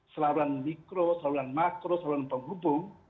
saluran mikro saluran makro saluran penghubung